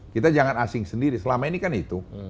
kita jangan asing sendiri selama ini kan itu